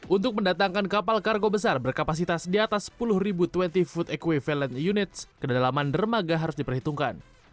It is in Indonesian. untuk mendatangkan kapal kargo besar berkapasitas di atas sepuluh ribu dua puluh food equivalent units kedalaman dermaga harus diperhitungkan